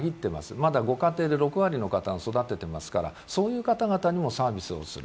まだご家庭で６割の方が育てていますからそういう方々にもサービスをする。